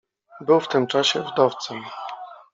"Był w tym czasie wdowcem."